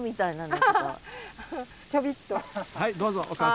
はいどうぞおかあさん。